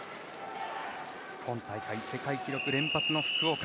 今大会世界記録連発の福岡。